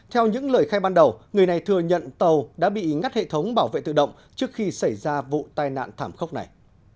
theo những lời khai ban đầu người này thừa nhận tàu đã bị ngắt hệ thống bảo vệ tự động trước khi xảy ra vụ tai nạn thảm khốc này